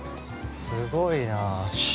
◆すごいな。